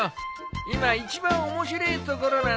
今一番面白えところなんだ。